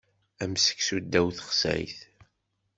Am seksu ddaw texsayt.